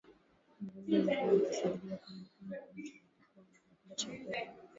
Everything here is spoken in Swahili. mazoezi mazoezi yanasaidia kwamba kwanza mtu unapokuwa unavyokula chakula